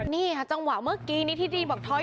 นี่ครับจังหว่าเมื่อกี้ที่ดีนะคะ